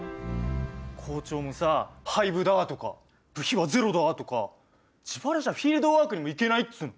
校長もさ「廃部だ！」とか「部費はゼロだ！」とか自腹じゃフィールドワークにも行けないっつうの！